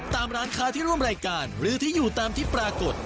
ตามร้านค้าที่ร่วมรายการหรือที่อยู่ตามที่ปรากฏ